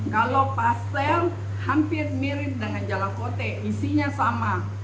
kalau pastel hampir mirip dengan jalakote isinya sama